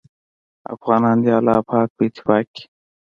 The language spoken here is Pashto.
افغانان دې الله پاک په اتفاق کړي